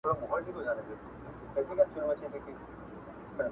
دوه زړونه په اورو کي د شدت له مينې ژاړي~